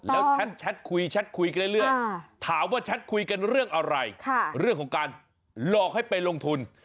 แล้วแชทคุยแชทคุยกันเรื่อยถามว่าแชทคุยกันเรื่องอะไรเรื่องของการหลอกให้ไปลงทุน